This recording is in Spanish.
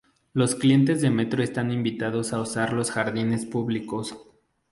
Los clientes de Metro están invitados a usar los jardines públicos.